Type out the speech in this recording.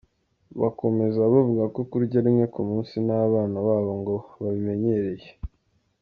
Bakomeza bavuga ko kurya rimwe ku munsi n’abana babo ngo babimenyereye.